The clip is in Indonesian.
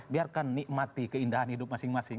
biarkan nikmati keindahan hidup masing masing